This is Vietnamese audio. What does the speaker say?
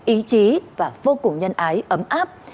ý chí và vô cùng nhân ái ấm áp